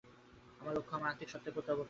আমার লক্ষ্য আমার আত্মিক সত্তায় প্রত্যাবর্তন।